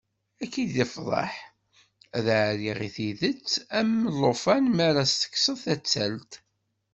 Ad k-id-feḍḥeɣ, ad ɛerriɣ i tidet am llufan mi ara s-tekkseḍ tattalt.